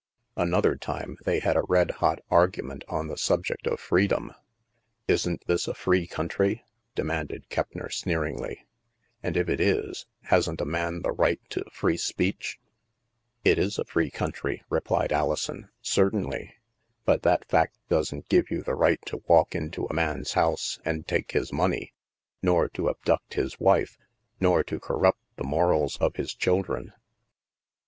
Another time, they had a red hot argument on the subject of freedom. " Isn't this a free country?*' demanded Keppner sneeringly. " And if it is, hasn't a man the right to free speech ?"" It is a free country, replied Alison, " certainly. But that fact doesn't give you the right to wallc into a man's house and take his money, nor to abduct his wife, nor to corrupt the morals of his children.